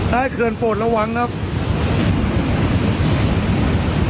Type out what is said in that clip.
ให้เขื่อนโปรดระวังครับ